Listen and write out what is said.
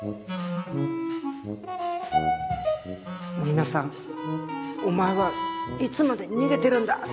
皆さんお前はいつまで逃げてるんだ！